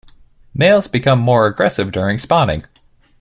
Males become more aggressive during spawning.